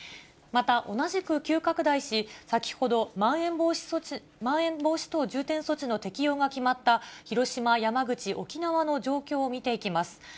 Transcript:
また、同じく急拡大し、さきほどまん延防止等重点措置の適用が決まった広島、山口、沖縄の状況を見ていきます。